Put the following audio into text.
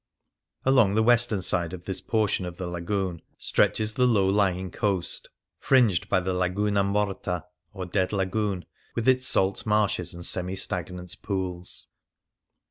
Along the western side of this portion of the Lagoon stretches the low lying coast, fringed by the Laguna Morta, or Dead Lagoon, with its salt marshes and semi stagnant pools.